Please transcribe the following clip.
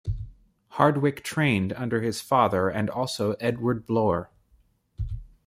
Hardwick trained under his father and also Edward Blore.